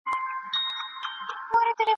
زه له ډېر وخت راهیسې دلته اوسېږم.